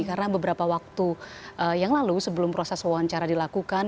karena beberapa waktu yang lalu sebelum proses pewawancara dilakukannya